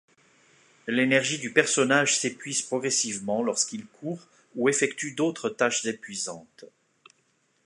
L'énergie du personnage s'épuise progressivement lorsqu'il court ou effectue d'autres tâches épuisantes.